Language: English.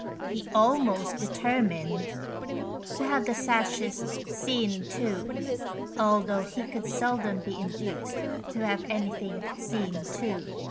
He almost determined to have the sashes " seen to," although he could seldom be induced to have anything " seen to."